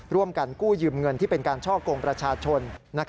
ร่วมกันกู้ยืมเงินที่เป็นการช่อกงประชาชน